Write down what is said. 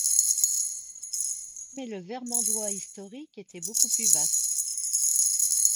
Mais le Vermandois historique était beaucoup plus vaste.